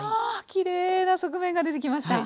きれいな側面が出てきました。